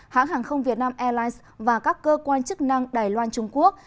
hãng hàng không việt nam airlines và các cơ quan chức năng đài loan trung quốc